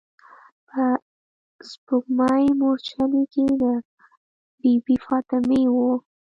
په شپږمې مورچلې کې د بي بي فاطمې و.